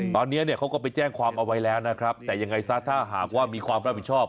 ตอนนี้เนี่ยเขาก็ไปแจ้งความเอาไว้แล้วนะครับแต่ยังไงซะถ้าหากว่ามีความรับผิดชอบ